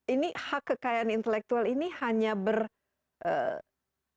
ini hak kekayaan intelektual ini hanya berlaku di indonesia